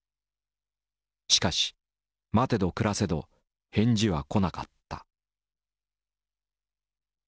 しかし待てど暮らせど返事は来なかった。